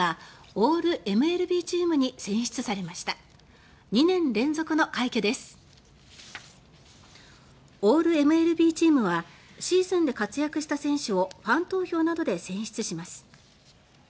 オールＭＬＢチームはシーズンで活躍した選手をファン投票などで選出します。